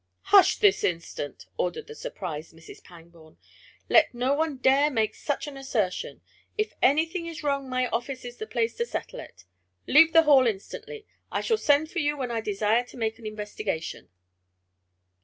"Hush this instant!" ordered the surprised Mrs. Pangborn. "Let no one dare make such an assertion. If anything is wrong my office is the place to settle it. Leave the hall instantly. I shall send for you when I desire to make an investigation."